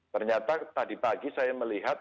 ternyata tadi pagi saya melihat